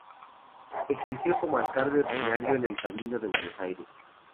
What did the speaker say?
Ejerció como Alcalde ordinario en el Cabildo de Buenos Aires.